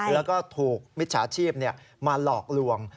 แล้วก็ถูกมิจฉาชีพมาหลอกลวง